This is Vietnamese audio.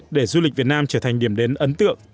để du lịch việt nam trở thành điểm đến ấn tượng